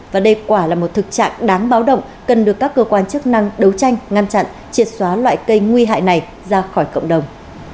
và đây quả là một thực trạng đáng báo động cần được các cơ quan chức năng đấu tranh ngăn chặn triệt xóa loại cây nguy hại này ra khỏi cộng đồng